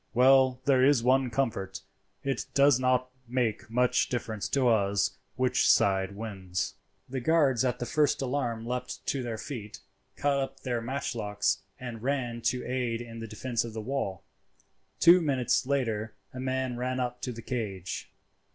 Well, there is one comfort—it does not make much difference to us which side wins." The guards at the first alarm leapt to their feet, caught up their matchlocks, and ran to aid in the defence of the wall. Two minutes later a man ran up to the cage.